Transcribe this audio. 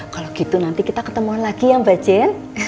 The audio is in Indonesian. kalau gitu nanti kita ketemu lagi ya mbak jen